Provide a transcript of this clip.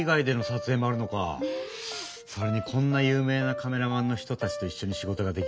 それにこんな有名なカメラマンの人たちといっしょに仕事ができるなんて光栄だよ。